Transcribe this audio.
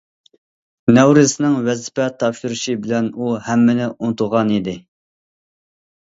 نەۋرىسىنىڭ ۋەزىپە تاپشۇرۇشى بىلەن ئۇ ھەممىنى ئۇنتۇغانىدى.